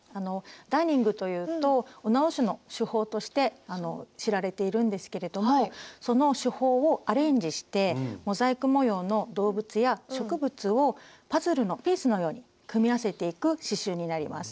ダーニングというとお直しの手法として知られているんですけれどもその手法をアレンジしてモザイク模様の動物や植物をパズルのピースのように組み合わせていく刺しゅうになります。